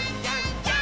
ジャンプ！！